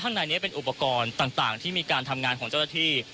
ห้างในเนี้ยเป็นอุปกรณ์ต่างต่างที่มีการทำงานของเจ้าที่